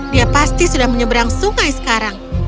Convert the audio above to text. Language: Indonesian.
dia pasti sudah menyeberang sungai sekarang